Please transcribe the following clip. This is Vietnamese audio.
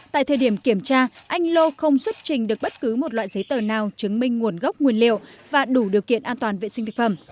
tại thời điểm kiểm tra anh lô không xuất trình được bất cứ một loại giấy tờ nào chứng minh nguồn gốc nguyên liệu và đủ điều kiện an toàn vệ sinh thực phẩm